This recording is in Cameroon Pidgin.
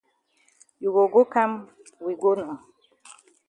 You go go kam we go nor.